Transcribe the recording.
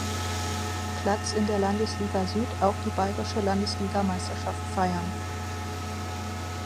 Platz in der Landesliga Süd auch die Bayerische Landesligameisterschaft feiern.